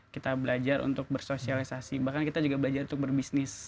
kita belajar untuk bersosialisasi bahkan kita juga belajar untuk berbisnis